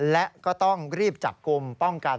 และก็ต้องรีบจับกลุ่มป้องกัน